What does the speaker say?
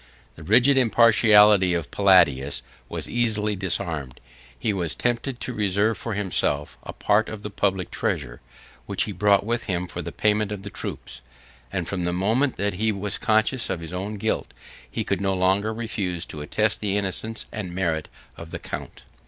The rigid impartiality of Palladius was easily disarmed: he was tempted to reserve for himself a part of the public treasure, which he brought with him for the payment of the troops; and from the moment that he was conscious of his own guilt, he could no longer refuse to attest the innocence and merit of the count.